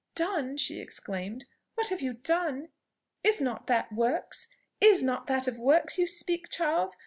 "Done!" she exclaimed. "What have you done? Is not that works? is not that of works you speak, Charles?